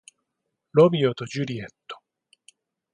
ロミオとジュリエット